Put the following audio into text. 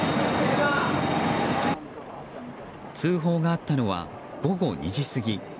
通報があったのは午後２時過ぎ。